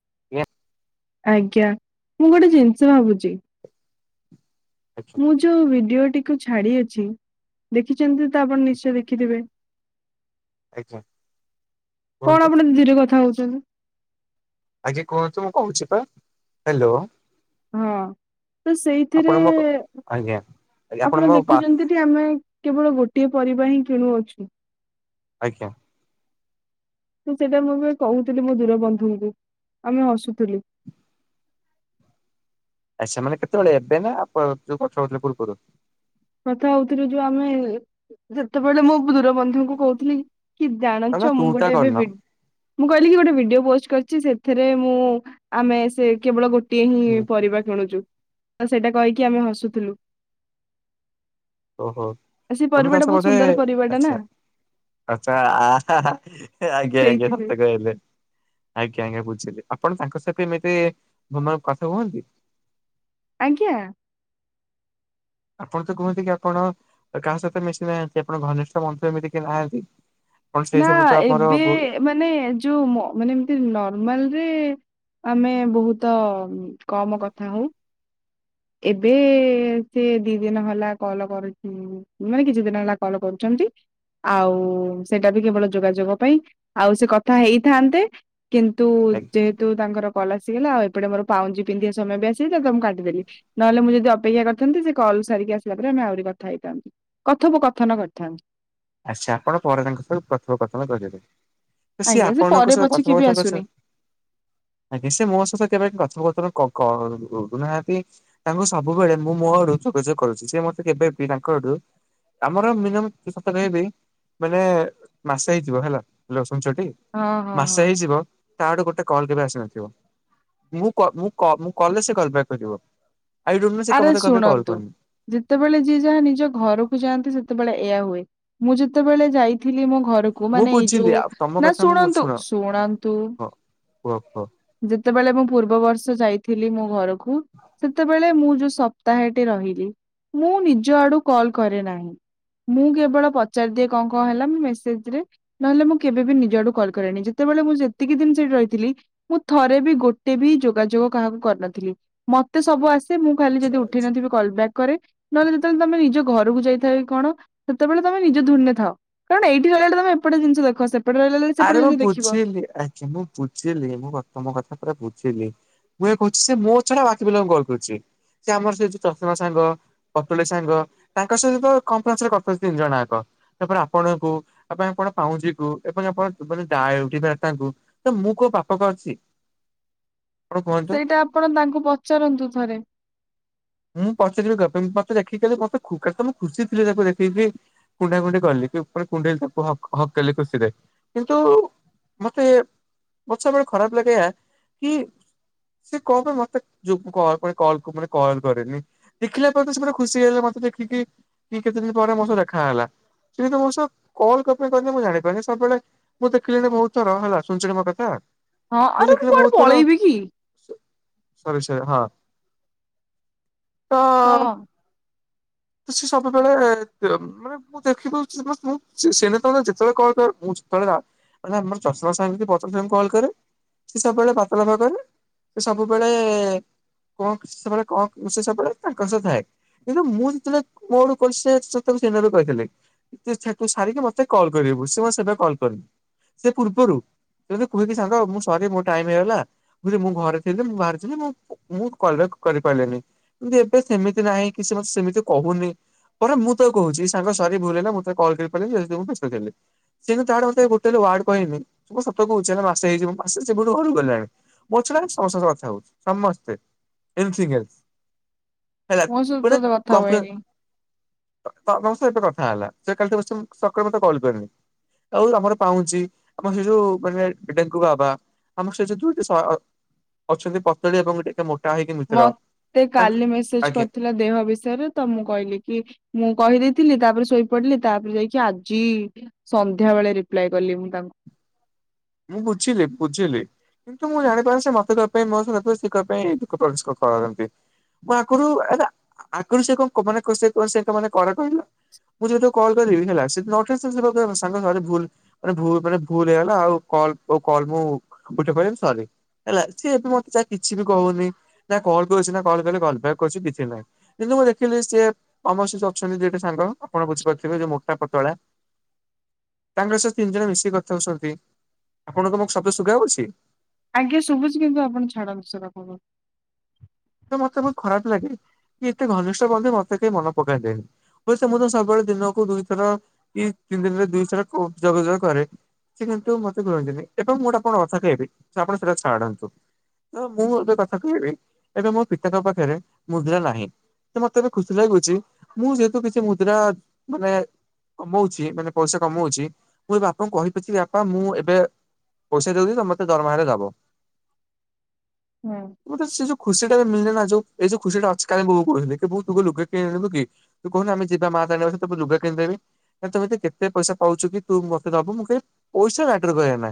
[unintelligible] ଆଜ୍ଞା ମୁଁ ଗୋଟେ ଜିନିଷ ଭାବୁଚି। ଆଜ୍ଞା ମୁଁ ଯୋଉ ଭିଡିଓ ଟି ଛାଡି ଅଛି ଦେଖିଚନ୍ତି ତ ଆପଣ ନିଶ୍ଚୟ ଦେଖିଥିବେ? ଆଜ୍ଞା କୁହନ୍ତୁ କଣ ଆପଣ ଧୀରେ କଥା ହଉଚନ୍ତି? ଆଜ୍ଞା କୁହନ୍ତୁ ମୁଁ କହୁଚି ପା ହ୍ୟାଲୋ। ହଁ ତ ସେଇଥିରେ ଆପଣ ମୋ ଆଜ୍ଞା ଆପଣ ମୋ ବା ଦେଖୁଛନ୍ତି ଟି ଆମେ କେବଳ ଗୋଟିଏ ପରିବା ହିଁ କିଣୁଅଛୁ। ଆଜ୍ଞା। ତ ସେଇଟା ମୁଁ ବି କହୁଥିଲି ମୋ ଦୂର ବନ୍ଧୁଙ୍କୁ ଆମେ ହସୁଥିଲୁ। [inaudible] ଆଚ୍ଛା ମାନେ କେତେବେଳେ ଏବେ ନା [unintelligible] ପୂର୍ବରୁ କଥା ହଉଥିଲେ ଯୋଉ ଆମେ ଯେତେବେଳେ ମୁଁ ମୁଁ ଦୂରବନ୍ଧୁଙ୍କୁ କହୁଥିଲି କି ତମେ ଜାଣିଛ ତୁ ମୁଁ ଟା ଗୋଟେ ଏବେ କରିନ ବି ମୁଁ କହିଲି କି ଗୋଟେ ଭିଡିଓ ପୋଷ୍ଟ କରିଛି ସେଥିରେ ମୁଁ ଆମେ ସେ କେବଳ ଗୋଟେ ହୁଁ ଗୋଟିହିଁ ପରିବା କିଣୁଛୁ ସେଇଟା କହିକି ଆମେ ହସୁଥିଲୁ। ଓହୋ ଆଉ ସେ ତମେ ପରିବାଟା ସମସ୍ତେ ବହୁତ ସୁନ୍ଦର ବୋଧେ ପରିବାଟା ନା ଆଛା। ଆଛା ଅହଂ ହଁ ଆଜ୍ଞା ଆଜ୍ଞା ସେଇଥିପାଇଁ ସତ କହଲେ ଆଜ୍ଞା ଆଜ୍ଞା ବୁଝିଲି। ଆପଣ ତାଙ୍କ ସହିତ ଏମିତି [unintelligible] କଥା ହୁଅନ୍ତି? ଆଜ୍ଞା। ଆପଣ ତ କୁହନ୍ତି କି ଆପଣ କାହା ସହିତ ମିଶି ନାହାନ୍ତି ଆପଣ ଘନିଷ୍ଠ ବନ୍ଧୁ ଏମିତି କି ନାହାନ୍ତି। ଆପଣ ସେଇ ନା ସବୁ ତ ଆମର ଏବେ ମାନେ ଯୋଉ ମାନେ ଏମତି ନର୍ମାଲ ରେ ଆମେ ବହୁତ କମ କଥା ହଉ। ଏବେ ସେ ଦି ଦିନ ହେଲା କଲ କରୁଛି ମାନେ କିଛି ଦିନ ହେଲା କଲ୍ କରୁ ଛନ୍ତି ଆଉ ସେଇଟା ବି କେବଳ ଯୋଗାଯୋଗ ପାଇଁ ଆଉ ସେ କଥା ହେଇଥାନ୍ତେ। କିନ୍ତୁ ଯେହେତୁ ତାଙ୍କର କଲ୍ ଆସିଗଲା ଆଉ ଏପଟେ ମୋର ପାଉଁଜି ପିନ୍ଧିବା ସମୟ ବି ଆସିଛି ତାପରେ ମୁଁ କାଟିଦେଲି ନହଲେ ମୁ ଯଦି ଅପେକ୍ଷା କରିଥାନ୍ତି ସେ କଲ୍ [unintelligible] ସାରିକି ଆସିଲା ପରେ ଆମେ ଆହୁରି କଥା ହେଇଥାନ୍ତୁ କଥୋପ କଥନ କରିଥାନ୍ତୁ। ଆଚ୍ଛା ଆପଣ ପରେ ତାଙ୍କ ସହ କଥୋପ କଥନ କରିବେ। ସିଏ ଆଜ୍ଞା ସେ ଆପଣଙ୍କ ପରେ ସହିତ ପଛେ କଥୋପ କେବେ କଥନ ଆସୁନି। କରଛନ୍ତି ଆଜ୍ଞା ସେ ମୋ ସହିତ କେବେ କଥୋପ [unintelligible] କ କ କରୁ ନାହାନ୍ତି ତାଙ୍କୁ ସବୁବେଳେ ମୁଁ ମୋ ଆଡୁ ଯୋଗାଯୋଗ କରୁଛି ସିଏ ମତେ କେବେ ବି ତାଙ୍କ ଆଡୁ ଆମର ମିନିମମ୍ ପାଖା ପାଖି ମାନେ ମାସେ ହେଇଯିବ ହେଲା ହାଲୋ। ଶୁଣୁଛ ଟି ହଁ ହଁ ହଁ ମାସେ ହେଇଯିବ ତା ଆଡୁ ଗୋଟେ କଲ୍ କେବେ ଆସିନଥିବ ମୁଁ କ ମୁଁ କ ମୁଁ କ କଲେ ସେ କଳ୍ ବ୍ୟାକ୍ କରିିବ। ଆରେ ଶୁଣନ୍ତୁ ଯେତେବେଳେ ଯିଏ ଯାହା ନିଜ ଘରକୁ ଯାଆନ୍ତି ସେ ତେବେଳେ ଏଇଆ ହୁଏ ମୁଁ ଯେତେବେଳେ ଯାଇଥିଲି ମୋ ଘରକୁ ମୁଁ ମାନେ ଏଇ ବୁଝିଲି ଯୋଉ ଆଉ ତମ ନା କଥା ମୁଁ ଶୁଣନ୍ତୁ ଶୁଣ ଶୁଣନ୍ତୁ ହଁ କୁହ କୁହ ଯେତେବେଳେ ମୁଁ ପୂର୍ବ ବର୍ଷ ଯାଇଥିଲି ମୋ ଘରକୁ ସେତେବେଳେ ମୁଁ ଯୋଉ ସପ୍ତାହେଟେ ରହିଲି ମୁଁ ନିଜ ଆଡୁ କଲ୍ କରେ ନାହିଁ। ମୁଁ କେବଳ ପଚାରିଦିଏ କଣ କଣ ହେଲା ମେସେଜ ରେ ନହେଲେ ମୁଁ କେବେ ବି ନିଜ ଆଡୁ କଲ୍ କରେନି ଯେତେବେ ବେଳେ ମୁଁ ଯେତିକି ଦିନ୍ ସେଠି ରହିଥିଲି ମୁଁ ଥରେ ବି ଗୋଟେ ବି ଯୋଗାଯୋଗ କାହାକୁ କରିନଥିଲି ମ ମତେ ସବୁ ଆସେ ମୁ ଖାଲି ଆଚ୍ଛା ଯଦି ଉଠି ଆଚ୍ଛା। ନଥିବି କଲ୍ ବ୍ୟାକ୍ କରେ ନହେଲେ ଯେତେବେଳେ ତମେ ନିଜ ଘରକୁ ଯାଇଥାଏ କଣ ସେତେବେଳେ ତମେ ନିଜ ଧୁନେ ଥାଉ କାରଣ ଏଇଠି ଗଲେ ତମେ ଏପଟେ ଜିନିଷ ଦେଖ। ସେପଟେ ରହିଲା ବେଳେ ସେପଟେ ଆରେ ମୁଁ ଜିନିଷ ଦେଖିବ। ବୁଝିଲି ଆଜ୍ଞା ମୁଁ ବୁଝିଲି ମୁଁ ତମ କଥା ପୁରା ବୁଝିଲି। ମୁଁ କହୁଛି ସେ ମୋ ଛଡା ବାକି ପିଲାଙ୍କୁ କଲ୍ କରୁଛି। ସେ ଆମର ସେଉ ଚଷମା ସାଙ୍ଗ ପତୁଳି ସାଙ୍ଗ ତାଙ୍କ ସହିତ ତ କଫରେନ୍ସ ଗପୁଛନ୍ତି ତିନି ଜଣ ଯାକ। ତାପରେ ଆପଣଙ୍କୁ ଆପଣ କଣ ପାଉଁଜି କୁ। ପୁଣି ଆପଣ [unintelligible] ତାଙ୍କୁ ତ ମୁଁ କୋଉ ପାପ କରିଛି। ଆପଣ କୁହନ୍ତୁ? ସେଇଟା ଆପଣ ତାଙ୍କୁ ପଚାରନ୍ତୁ ଥରେ। ମୁଁ ପଚାରିବି ମୁଁ ମତେ ଦେଖିକି ମତେ ଖୂ ଖା ତ ମୁଁ ଖୁସି ଥିଲ ତାକୁ ଦେଖିକି କୁଣ୍ଡା କୁଣ୍ଡି କଲି। ଟିକେ ଉପରେ କୁଣ୍ଡେଇକି ତାକୁ ହଗ୍ କଲି କଲି ଖୁସିରେ କିନ୍ତୁ ମତେ ବହୁତ ସମୟରେ ଖରାପ ଲାଗେ ଏୟା କି ସେ କଣ ପାଇଁ ମୋତେ [unintelligible] କଲ୍ କରେନି ଦେଖିଲା ପରେ ତ ସିଏ ପୁରା ଖୁସି ହେଇଗଲା ମତେ ଦେଖିକି କି କେତେ ଦିନ ପରେ ମୋ ସହ ଦେଖାହେଲା। ସେ ତ ମୋ ସହ କଲ କଣ ପାଇଁ କରିଥିଲା ମୁଁ ଜାଣିପାରୁନି। ସବୁବେଳେ ମୁଁ ଦେଖିଲିଣି ବହୁତ ଥର ହେଲା ଶୁନୁଚୁ ତ ତୁ ମୋ କଥା ହଁ ମୁଁ ଆରେ ଦେଖିଲି କୁଆଡେ ବହୁତ ଥର ପଳେଇବି କି ସ ସରି ସରି ହଁ। କ। ତ ସେ ସବୁବେଳେ ତ ମାନେ ମୁଁ ଦେଖି ଦଉଚି ସମସ୍ତଙ୍କୁ ସେ ସେ ଯେତେବେଳେ [unintelligible] କଲ୍ କରିବ ମୁଁ [unintelligible] ପ୍ରଶାନ୍ତ ସାର୍ ଙ୍କୁ କଲ୍ କରେ। ସେ ସବୁବେଳେ [unintelligible] ସେ ସବୁବେଳେ [unintelligible] ସେ ସବୁବେଳେ ତାଙ୍କ ସହିତ ଥାଏ, ଏ ଯୋଉ ମୁଁ [unintelligible] ସେଦିନ କହିଥିଲେ ଯେ ତାକୁ ସାରିକି ମତେ କଲ୍ କରିବୁ ସେ [unintelligible] କଲ୍ କରିବୁ ସେ ପୂର୍ବରୁ ସେ ମତେ କୁହେକି ସାଙ୍ଗ ମୁଁ ସରି ମୋ ଟାଇମ ହେଇଗଲା ମୁଁ ଘରେ ଥିଲି ମୁଁ ବାହାରେ ଥିଲି, ମୁଁ କଲ୍ ବ୍ୟାକ କରିପାରିଲେନି କିନ୍ତୁ ଏବେ ସେମିତି ନାହିଁ କି ସେ ମତେ ସେମିତି କହୁନି। ତା ପରେ ମୁଁ ତାକୁ କହୁଛି ସାଙ୍ଗ ସରି ଭୁଲ ହେଲା ମୁଁ ତତେ କଲ କରିପାରିଲିନି। ଯେହେତୁ ମୁଁ ବେସ୍ତ ଥିଲି। ସେ ତ ତାର ମତେ ଗୋଟେ ହେଲେ ୱାର୍ଡ କହନି ମୁ ସତ କହୁଛି ହେ ମାସେ ହେଇଯିବ। ସେ ଯେବେଠୁ ଘରକୁ ଆଇଲାଣି। ସେ ନାଇଁ ସମସ୍ତଙ୍କ କଥା ହଉଛି ସମସ୍ତେ ଏନି ଥିଙ୍ଗ ଏଲ୍ସ। ମୁଁ ସତ [unintelligible] କଥା ହୁଏନି। ତ ଏବେ ସେ କଥା ହେଲା ସେ କାଲି ସକାଳେ ମତେ କଲ କରିବନି। ଆଉ ଆମର ପାଉଞ୍ଜି ଆମର ସେ ଯୋଉ ମାନେ ଡେଙ୍କୁ ବାବା ଆମର ସେ ଦୁଇଟି ଅଛନ୍ତି ପତଳି ଏବଂ ଟିକେ ମୋ ମତେ କାଲି ମେସେଜ ଆଜ୍ଞା କରିଥିଲା ଦେହ ବିଷୟରେ ତ ମୁଁ କହିଲି କି ମୁଁ କହିଦେଇଥିଲି ତାପରେ ଶୋଇପଡିଲି ତାପରେ ଯାଇକି ଆଜି ସନ୍ଧ୍ୟା ବେଳେ ରିପ୍ଲାଏ କଲି ମୁଁ ତାଙ୍କୁ। ମୁଁ ବୁଝିଲି ବୁଝିଲି। କିନ୍ତୁ ମୁଁ ଜାଣିପାରେ ସେ ମୋତେ [unintelligible] ମୁଁ ଆଗରୁ ଆରେ ଆଗରୁ ସେ କଣ ମାନେ ସେ ସେ ମାନେ କର କହିଲ। ମୁଁ ଯଦି ତାକୁ କଲ୍ କରିବି ହେଲା, ସେ [unintelligible] ସାଙ୍ଗ ସରି ଭୁଲ୍ ମାନେ ଭୁଲ୍ ଭୁଲ ହେଇଗଲା ଆଉ। କଲ୍ ତୋ କଲ୍ ମୁଁ ଉଠେଇପାରିଲିନି ସରି। ହେଲା ସିଏ ଏବେ ମତେ ଯାଏ କିଛି ବି କହୁନି ନା କଲ୍ କରୁଛି ନା କଲ କଲେ କଲ ବ୍ୟାକ କରୁଛି କିଛିନାହିଁ ମୁଁ ଦେଖିଲି ସିଏ ତମର ଯୋଉ ଅଛନ୍ତି ଦି ଗୋଟେ ସାଙ୍ଗ ଆପଣ ବୁଝିପାରୁଥିବେ ଯୋଉ ମୋଟା ପତଳା ତାଙ୍କର ସହ ତିନି ଜଣ ମିଶିକି କଥା ହଉଛନ୍ତି। ଆପଣଙ୍କୁ ମୋ ଶବ୍ଦ ଶୁଭାଯାଉଛି? ଆଜ୍ଞା ଶୁଭୁଛି କିନ୍ତୁ ଆପଣ ଛାଡ଼ନ୍ତୁ ସେ କଥାକୁ। ତ ମତେ ବହୁତ ଖରାପ ଲାଗେ କି ଏତେ ଘନିଷ୍ଠ ବନ୍ଧୁ ମତେ କେହି ମନେ ପକାନ୍ତିନି ହୁଏ ତ ମୁଁ ତ ସବୁବେଳେ ଦିନକୁ ଦୁଇଥର କି ତିନି ଦିନରେ ଦୁଇଥର ଯୋଗାଯୋଗ କରେ। ସେ କିନ୍ତୁ ମତେ କୁହନ୍ତିନି, ଏବେ ମୁଁ ଆପଣଙ୍କୁ ଗୋଟେ କଥା କହିବି ଆପଣ ସେଇଟା ଛାଡ଼ନ୍ତୁ। ନାଁ ମୁଁ ଏବେ କଥା କହିବି ଏବେ ମୋ ପିତାଙ୍କ ପାଖରେ ମୁଦ୍ରା ନାହିଁ ତ ମତେ ଏବେ ଖୁସି ଲାଗୁଛି ମୁଁ ଯେହେତୁ କିଛି ମୁଦ୍ରା ମାନେ କମଉଛି ମାନେ ପଇସା କମଉଛି ମୁଁ ଏ ବାପାଙ୍କୁ କହିପାରୁଛି ବାପା ମୁଁ ଏବେ ପଇସା ଦଉଛି ତମେ ମୋତେ ଦରମା ହେଲେ ଦବ। ହୁଁ ସେ ଯୋଉ ଖୁସି ଟା ବି ମିଳିଲେ ନା ଯୋଉ ଏ ଯୋଉ ଖୁସି ଟା ଅଛି କାଲି ମୁଁ ବୋଉକୁ କହୁଥିଲି କି ବୋଉ ତୁ କୋଉ ଲୁଗା କିଣିବୁ କି? ତୁ କହୁନୁ ଆମେ ଯିବା ମା [unintelligible] ଲୁଗା କିଣି ଦେବି। ନା ତୁ ଏମିତି କେତେ ପଇସା ପାଉଚୁ କି ତୁ ମତେ ଦବୁ? ମୁଁ କହିଲି ପଇସା ମ୍ୟାଟର କରେନା।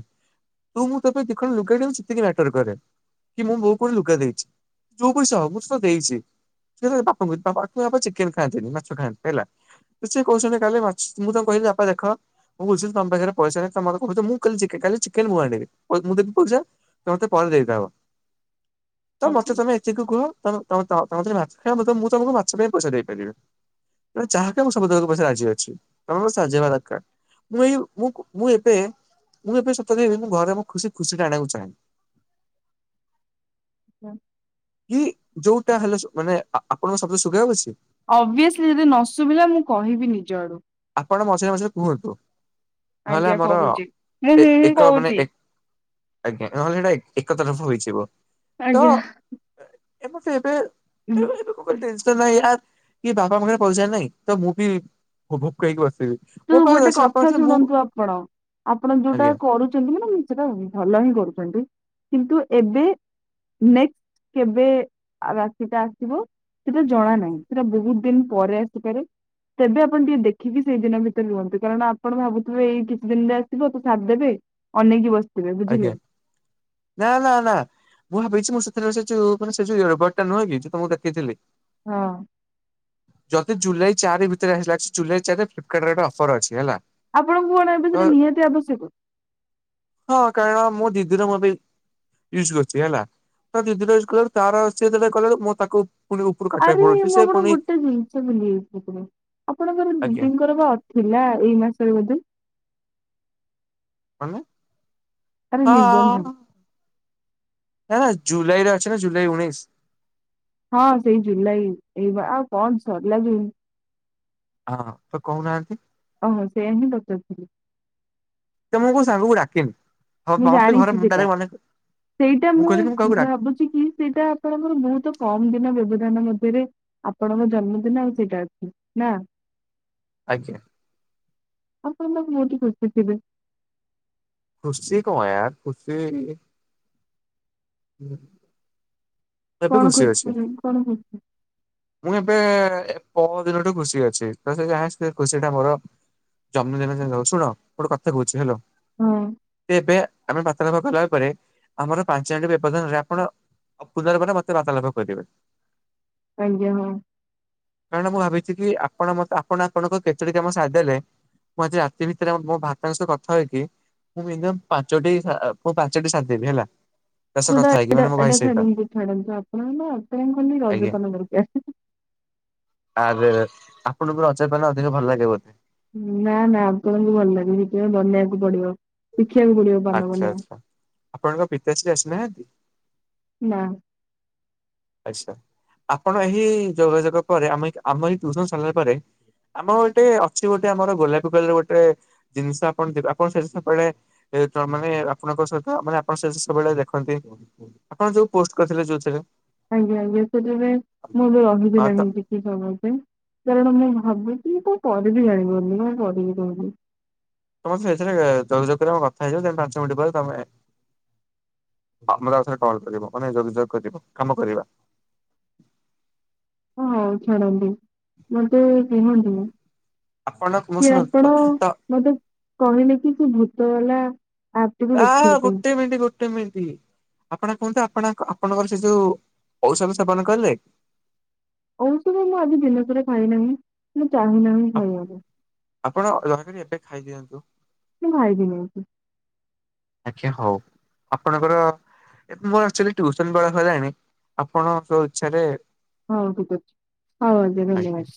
ତୁ ମୁଁ ତୋ ପାଇଁ ଦିଖଣ୍ଡ ଲୁଗା କିଣୁଚି ସେତିକି ମ୍ୟାଟର କରେ, କି ମୁଁ ବୋଉ ପାଇଁ ଲୁଗା ଦେଇଚି। ଯୋଉ ପଇସା ହଉ ମୁଁ [unintelligible] ଦେଇଚି। ସିଏ ତାର ବାପାଙ୍କୁ ବାପା ଅକ୍ଚୁଆଲି ବାପା ଚିକେନ ଖାଆନ୍ତିନି, ମାଛ ଖାଆନ୍ତି ହେଲା। ସିଏ କହୁଚନ୍ତି କାଲି ମାଛ୍ ମୁଁ ତାଙ୍କୁ କହିଲି ବାପା ଦେଖ ମୁଁ ବୁଝିଲି ତମ ପାଖେରେ ପଇସା ନାହିଁ ତମ ମତେ କହୁଚ, ମୁଁ କାଲି ଚିକେ କାଲି ଚିକେନ ମୁଁ ଆଣିବି। ମୁଁ ଦେବି ପଇସା ତମେ ମତେ ପରେ ଦେଇଦବ। ତ ମତେ ଆଜ୍ଞା। ତମେ ଏତିକି କୁହ ତମ- ତମ - ତମ - ତମ ଯେତେବେଳେ ମାଛ ଖାଇବ, ମୁଁ ତମ ମୁଁ ତମକୁ ମାଛ ଖାଇବା ପାଇଁ ପଇସା ଦେଇପାରିବି। ତମେ ଯାହା କଇବ ମୁଁ ସବୁ ଦବାକୁ ପଇସା ରାଜି ଅଛି, ତମେ ବାସ ରାଜି ହେବା ଦରକାର। ମୁଁ ଏଇ ମୁଁ କୁ ମୁଁ ଏବେ ମୁଁ ଏବେ ସତ କହିବି -ମୁଁ ଘରେ ମୁଁ ଖୁସି, ଖୁସି ଟା ଆଣିୟାକୁ ଚାହେଁ। [inaudible] କି ଯୋଉଟା ହେଲେ ସୁ, ମାନେ ଆ ଆ ଆପଣଙ୍କ ଶବ୍ଦ ଶୁଭା ଯାଉଚି। ଅଭିଅସଲି, ଯଦି ନ ଶୁଭିଲା ମୁଁ କହିବି ନିଜ ଆଡୁ। ଆପଣ ମଝିରେ ମଝିରେ କୁହନ୍ତୁ। ନହେଲେ ଆଜ୍ଞା ଆମର କହୁଛି ମୁଁ ଏ ହୁଁ ହୁଁ ଏକ ମାନେ କହୁଛି ଏ ଆଜ୍ଞା ନହେଲେ ହେଟା ଏ ଏକ ତରଫା ହୋଇଯିବ। ଆଜ୍ଞା। ଏବେ [unintelligible] ଏବେ ଏବେ ଏବେକୁ ଟେସ ନାହିଁ ୟାର। କି ବାପା ପାଖରେ ପଇସା ନାଇଁ ତ ମୁଁ ଭୋ ଭୋକୁଆହେଇ କି ଖାଇକି ବସିବି। ତୁ ମୋ ପାଖରେ ଗୋଟେ ଅଛି ବାପା କଥା ନଥିଲେ ମୁଁ ଶୁଣନ୍ତୁ, ଆପଣ। ଆପଣ ଯୋଉଟା ଆଜ୍ଞା କରୁଚନ୍ତି, ମାନେ ସେଟା ଭଲ ହିଁ କରୁଚନ୍ତି କିନ୍ତୁ ଏବେ ନେକ୍ସଟ କେବେ ରାତିଟା ଆସିବ ସେଟା ଜଣା ନାହିଁ, ସେଟା ବହୁତ ଦିନ ପରେ ଆସିପାରେ ତେବେ ଆପଣ ଟିକେ ଦେଖିକି ସେଇଦିନ ଭିତ ରୁହନ୍ତୁ, କାରଣ ଆପଣ ଭାବୁଥିବେ ଏଇ କିଛି ଦିନରେ ଆସିବ, ତ ସାରିଦେବେ ଅନେଇକି ବସ ଆଜ୍ଞା ନା ନା ନା ମୁଁ ଭାବିଚି ମୁଁ ସେ ସେ ସେ ଯୋଉେ ସେ ଯଉ ଇଅର୍ ବଟା ନୁହେଁ କି ଯଉ ତମକୁ ଦେଖେଇଥିଲି। ହଁ ଯଦି ଜୁଲାଇ ଚାରି ଭିତରେ ଆସିଲା [unintelligible] ଜୁଲାଇ ଚାର ଫ୍ଲିପକାର୍ଟ ରେ ଗଟେ ଅଫର୍ ଅଛି ହେଲା। ଆପଣଙ୍କୁ କଣ ଏବେ ତ ସେଟା ନିହାତି ଆବଶ୍ୟକ। ହଁ କାରଣ -ମୋ ଦିଦିର ମୋ ବି ଇଉଜ କରୁଚ ହେଲା ତ ଦିଦିର ଇଉଜ କଲାଏଳକୁ ତାର ତାର ସିଏ ଯେତେବଳେ ଖୋଲାଳକୁ ମୋ ତାକୁ ପୁଣି ଉପରୁ କାଟିବାକୁ ଆରେ ପଡୁଛି ମୁଁ ସେ ପୁଣି [unintelligible] ଜିନିଷ ଭୁଲି [unintelligible] ଆପଣଙ୍କର ଆଜ୍ଞା ଦିଦିଙ୍କର ବା ଥିଲା ଏଇ ମାସରେ ବୋଧେ। କଣ? ଆରେ ନିର୍ବନ୍ଧ। ନା ନା ଜୁଲାଇରେ ଅଛି ନା ଜୁଲାଇ ଉଣେଇଁଶ। ହଁ ସେଇ ଜୁଲାଇ ଏଇ ବା ଆଉ କଣ ସରିଲା ଜୁନ୍। ହଁ ତ କହୁନାହାନ୍ତି। ଓହୋ ସେଆ ହିଁ ପଚାରୁଥିଲି। ତ ମୁଁ କୋଉ ସାଙ୍ଗକୁ ଡାକିନି ହ ମୁଁ ହବ ଘରେ ଜାଣିଛି ମତେ ସେଟା ଡାରେଟମନା [unintelligible] ସେଇଟା ମୁଁ ଭାବୁଚି କି -ସେଇଟା ଆପଣଙ୍କର ବହୁତ କମ ଦିନ ବ୍ୟବ [unintelligible] ମଧ୍ୟରେ ଆପଣଙ୍କ ଜନ୍ମଦିନ ଆଉ ସେଇଟା ଅଛି ନା। ଆଜ୍ଞା। ଆପଣତ ବହୁତ ଖୁସିଥିବେ। ଖୁସି କଣଁ ୟାର, ଖୁସିଇ ହୁଁ [inaudible] ଏବେ କଣ ଖୁସି ଅଛି କଣ ଖୁସି ମୁଁ ଏ ପ ଦିନଠୁ ଖୁସି ଅଛି, ତ ସେ ଯାଁ ସେ ଖୁସି ଟା ମୋର ଜମନ ଶୁଣ ଗୋଟେ କଥା କହୁଚି -ହେଲ ହଁ ଏବେ ଆମେ ବା [unintelligible] ଭ କଲା ପରେରେ ଆମର ପାଞ୍ଚ ଜଟି ବ୍ୟବଧାନରେ ଆପଣ [unintelligible] ପୂଜାର ମତେ ବାଧ ଲଭ କରିଦେବେ [unintelligible] ଆଜ୍ଞା ହଁ। ମୁଁ ଭାବିଛି ଆପଣ ମତେ, ଆପଣ ଆପଣଙ୍କ କେଚୁଡି କାମ ସାରି ଦେଲେ ମୁଁ ଆଜି ରାତି ଭିତରେ, ମୋ ଭାତାଙ୍କ ସହ କଥା ହୋଇକି ମୁଁ ମ ପାଞ୍ଚଟି, ମୁଁ ପାଞ୍ଚଟି ସାରିଦେବି ହେଲା, ତା ସହ କଥା ହେଇକି, ମାନେ ମୋ ଭାଇ ସହିତ ଛାଡ଼ନ୍ତୁ ଆପଣଙ୍କ ନା ଆପ କାଲ ଆଜ୍ଞା ରଜପାନ ଧରିକି ଆସ ଆରେ ଆପଣଙ୍କୁ ରଜପାନ ଅଧିକ ଭଲ ଲାଗେ ବୋଧେ ନା ନା ଆପଣଙ୍କୁ ଭଲ ଲାଗେ, ସେଥି ପାଇଁ ବନେଇବାକୁ ପଡିବ। ଶିଖିବାକୁ ପଡିବ ପାନ ଆଛା ବନେଇବା ଆଛା ଆପଣଙ୍କ ପିତାଶ୍ରୀ ଆସିନାହାନ୍ତି? ନା। ଆଛା ଆପଣ ଏହି ଯୋଗାଯୋଗ ପରେ ଆମେ ଆମ ଏଇ ଟ୍ୟୁସନ ସରିଲା ପରେ ଆମର ଗୋଟେ ଅଛି ଗୋଟେ ଆମର ଗୋଲାପୀ କଲର ଗୋଟେ ଜିନିଷ ଆପଣ ଦେବେ ଆପଣ ସେ। [unintelligible] ମାନେ ଆପଣଙ୍କ ସହିତ ମାନେ ଆପଣ ସେ ସବୁବେଳେ ଦେଖନ୍ତି ଆପଣ ଯଉ ପୋଷ୍ଟ କରିଥିଲେ ଯଉଥିରେ ଆଜ୍ଞା ଆଜ୍ଞା ସେଥିପାଇଁ ମୁଁ ବି ରହିବି ନାହିଁ କିଛି ସମୟପାଇଁ କାରଣ ମୁଁ ଭାବୁଚି ମୁଁ କଣ କରିବି ଜାଣିପାରୁନି କଣ କରିବି କହୁନ। ତମର ସେଥିରେ ତମ ସାଥିରେ ମୁଁ କଥା ହେଇଥିଲି ପାଞ୍ଚ ମିନିଟ ପରେ ତମେ ମତେ ଆଉଥରେ କଲ କରିବ ମାନେ ଯୋଗାଯୋଗ କରିବ ଆମେ କାମ କରିବା। ହଁ ଛାଡ଼ନ୍ତି ମତେ କୁହନ୍ତିନି। ଆପଣ ମୁଁ ସେ ଶୁଣନ୍ତୁ ଆପଣ ତ ମତେ କହିଲେ କି ସେ ଭୂତ ଗଲା ଆ ଗୋଟେ ମିନିଟ ଗୋଟେ ମିନିଟ ଆପଣ ଙ୍କ ଫୋନ୍ ଟା ଆପଣଙ୍କ ଆପଣଙ୍କର ସେ ଯୋଉ ଔଷଧ ସେବନ କଲେ? ଔଷଧ ମୁଁ ଆଜି ଦିନସାରା ଖାଇନାହିଁ। ମୁଁ ଚାହିଁ ନାହିଁ ଖାଇବାକୁ। ଆପଣ ଦୟାକରି ଏବେ ଖାଇଦିଅନ୍ତୁ। ମୁଁ ଖାଇବିନି ଏମିତି। ଆଜ୍ଞା ହଉ ଆପଣଙ୍କର ଏବେ ମୋର ଆକ୍ଟୁଆଲ୍ ଟ୍ୟୁସନ କରା ସରିଲାଣି ଆପଣ ସୋ ଇଚ୍ଛା ରେ ହଉ ଠିକ ଅଛି ହଉ ଆଜ୍ଞା ଧନ୍ୟବାଦ।